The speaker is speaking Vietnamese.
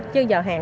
chứ giờ hàng